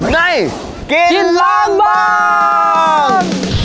ในกินล้างบาง